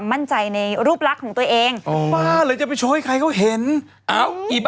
คุณให้มันชัดนี่ผมบอกให้